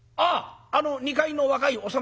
あの二階の若いお侍？